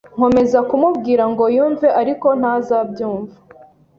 Nkomeza kumubwira ngo yumve, ariko ntazabyumva